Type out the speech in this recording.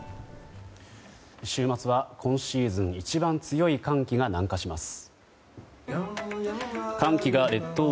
週末は今シーズン一番強い寒気が南下します。